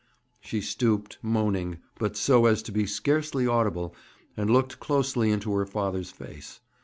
She stooped, moaning, but so as to be scarcely audible, and looked closely into her father's face.